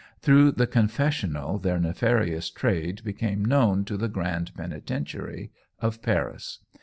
Through the confessional their nefarious trade became known to the Grand Penitentiary of Paris.